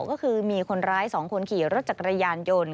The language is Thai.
ก็คือมีคนร้าย๒คนขี่รถจักรยานยนต์